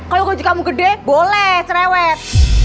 kalau gaji kamu gede boleh cerewet